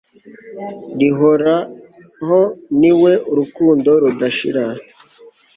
rihoraho; ni we rukundo rudashira